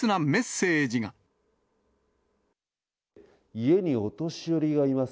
家にお年寄りがいます。